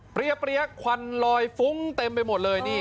เรียกควันลอยฟุ้งเต็มไปหมดเลยนี่